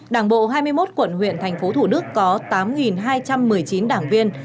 đảng bộ hai mươi một quận huyện thành phố thủ đức có tám hai trăm một mươi chín đảng viên